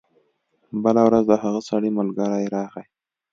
بله ورځ د هغه سړي ملګری راغی.